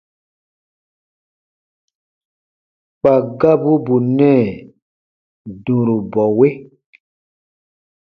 Kpa gabu bù nɛɛ dũrubɔwe.